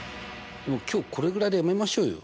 でも今日これぐらいでやめましょうよ。